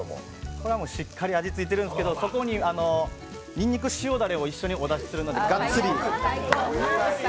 これはしっかり味ついてるんですけど、そこに、にんにく塩だれを一緒にお出しするので、ガッツリ。